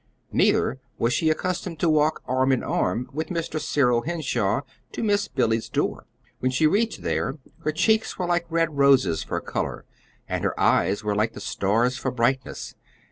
Neither was she accustomed to walk arm in arm with Mr. Cyril Henshaw to Miss Billy's door. When she reached there her cheeks were like red roses for color, and her eyes were like the stars for brightness.